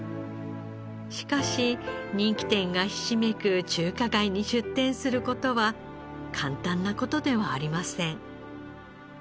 しかし人気店がひしめく中華街に出店する事は簡単な事ではありません。